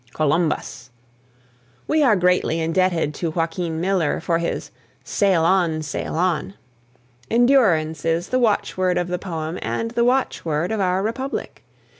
COLUMBUS. We are greatly indebted to Joaquin Miller for his "Sail On! Sail On!" Endurance is the watchword of the poem and the watchword of our republic.